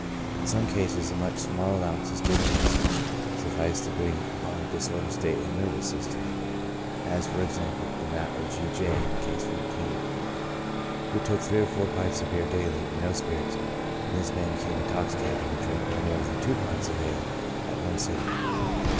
In some cases a much smaller allowance of stimulants sufficed to bring on a disordered state of the nervous system, as, for example, in that of G. J —, (Case 14,) who took three or four pints of beer daily, and no spirits, and this man became intoxicated if he drank no more than two pints of ale at one sitting.